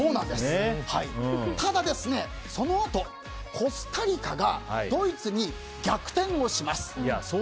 ただ、そのあとコスタリカがドイツに逆転をします。